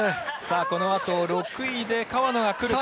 このあと６位で川野が来るか。